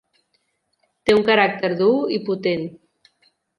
Té un caràcter dur i potent.